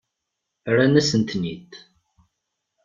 Rran-asen-ten-id.